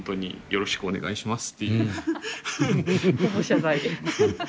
よろしくお願いします。